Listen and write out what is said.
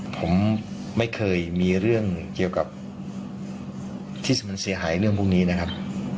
ผมไม่เคยมีเรื่องเกี่ยวกับที่มันเสียหายเรื่องพวกนี้นะครับ